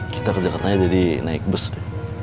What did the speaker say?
kita ke jakartanya jadi naik bus ya